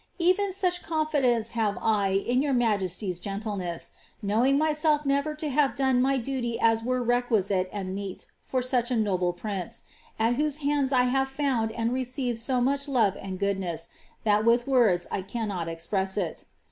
Even such confidence have 1 in your majesty's gentleness ; Jiowiiig myself never to have done my duty as were requisite and meet for Qch a noble prince, at whose hands I have found and received so much lovo tnd goodness, that with words I cannot express it.